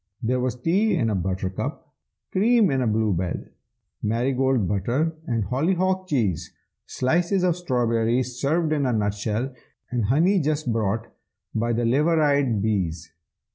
There was tea in a buttercup, cream in a blue bell, Marigold butter and hollyhock cheese, Slices of strawberry served in a nutshell, And honey just brought by the liveried bees.